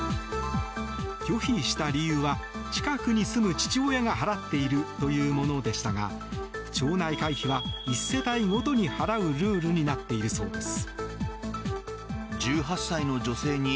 拒否した理由は近くに住む父親が払っているというものでしたが町内会費は１世帯ごとに払うルールになっているそうです。